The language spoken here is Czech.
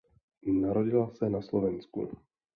Narodila se na Slovensku.